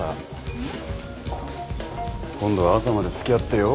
うん？今度は朝まで付き合ってよ。